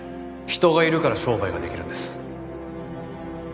人がいるから商売ができるんです。